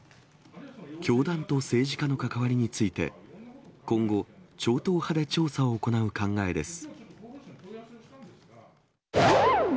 教団と政治家の関わりについて、今後、超党派で調査を行う考えです。